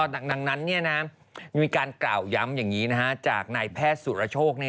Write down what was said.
ดังนั้นมีการกล่าวย้ำอย่างนี้จากนายแพทย์สุรโชค